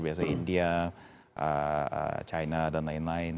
biasanya india china dan lain lain